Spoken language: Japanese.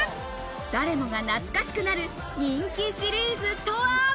誰もが懐かしくなる人気シリーズとは？